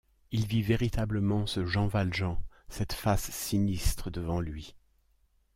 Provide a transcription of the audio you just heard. Il vit véritablement ce Jean Valjean, cette face sinistre, devant lui.